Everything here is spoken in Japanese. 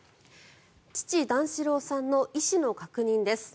父・段四郎さんの意思の確認です。